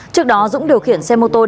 trước đó dũng điều khiển xe mô tô